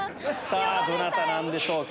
さぁどなたなんでしょうか？